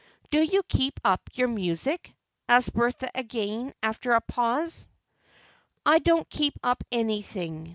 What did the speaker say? "Do you keep up your music?" asked Bertha again, after a pause. "I don't keep up anything.